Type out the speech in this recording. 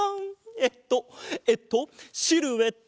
えっとえっとシルエット！